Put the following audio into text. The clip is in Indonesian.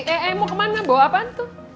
eh eh mau ke mana bawa apaan tuh